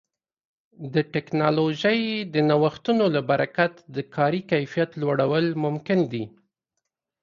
د ټکنالوژۍ د نوښتونو له برکت د کاري کیفیت لوړول ممکن دي.